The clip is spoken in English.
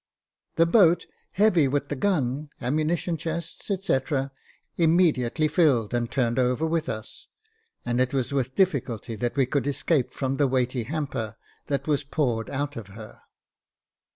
The boat, heavy with the gun, ammunition chests, &c., immedi ately filled and turned over with us, and it was with difficulty that we could escape from the weighty hamper that was poured out of her.